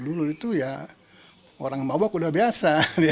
dulu itu ya orang babak udah biasa